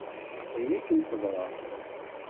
Aql-iyi akken feḍreɣ.